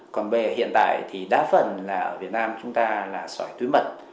còn bây giờ hiện tại thì đa phần là ở việt nam chúng ta là sỏi túi mật